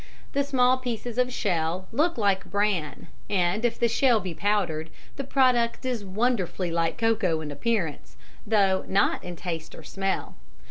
The small pieces of shell look like bran, and, if the shell be powdered, the product is wonderfully like cocoa in appearance, though not in taste or smell.